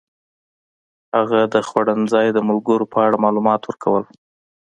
هغه د خوړنځای د ملګرو په اړه معلومات ورکړل.